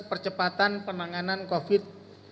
percepatan penanganan covid sembilan belas